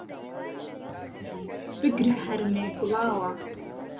بگره هەرمێ گوڵاوه